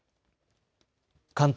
関東